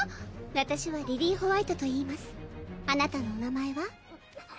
私はリリィー＝ホワイトといいますあなたのお名前は？